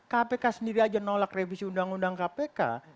kpk sendiri aja nolak revisi undang undang kpk